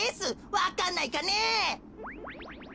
わかんないかねえ。